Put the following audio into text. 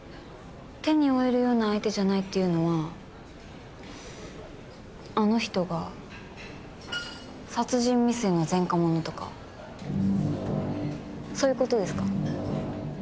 手に負えるような相手じゃないっていうのはあの人が殺人未遂の前科者とかそういう事ですか？